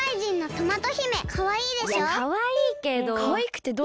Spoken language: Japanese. いやかわいいけど。